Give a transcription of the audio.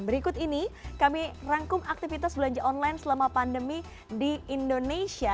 berikut ini kami rangkum aktivitas belanja online selama pandemi di indonesia